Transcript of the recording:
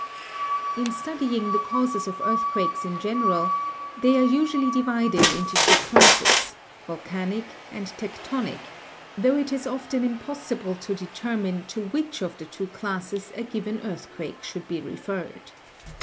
In studying the causes of earthquakes in general, they are usually divived into two classes, 'volcanic' and 'tec tonic/ tho it is often impossible to determine to which of the two classes a given earthquake should be referred.